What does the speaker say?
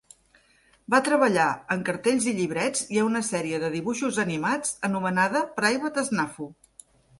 Va treballar en cartells i llibrets, i a una sèrie de dibuixos animats anomenada Private Snafu.